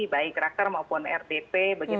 baik raktar maupun rdp